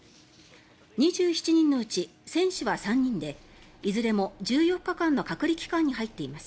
２７人のうち選手は３人でいずれも１４日間の隔離期間に入っています。